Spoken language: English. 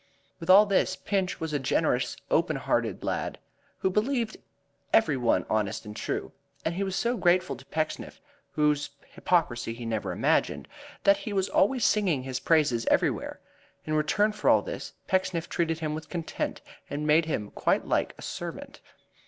With all this, Pinch was a generous, open hearted lad, who believed every one honest and true, and he was so grateful to Pecksniff (whose hypocrisy he never imagined) that he was always singing his praises everywhere. In return for all this, Pecksniff treated him with contempt and made him quite like a servant.